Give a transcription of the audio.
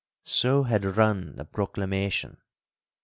So had run the proclamation.